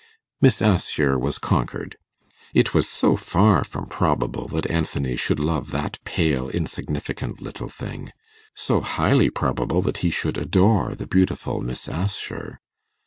Miss Assher was conquered. It was so far from probable that Anthony should love that pale insignificant little thing so highly probable that he should adore the beautiful Miss Assher.